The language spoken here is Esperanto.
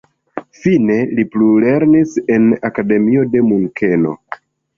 Fine li plulernis en akademio de Munkeno.